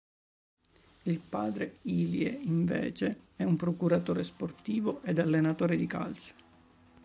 Il padre Ilie, invece, è un procuratore sportivo ed allenatore di calcio.